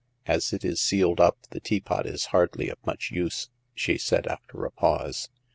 " As it is sealed up, the teapot is hardly of much use," she said, after a pause.